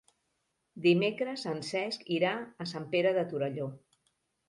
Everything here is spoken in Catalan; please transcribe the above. Dimecres en Cesc irà a Sant Pere de Torelló.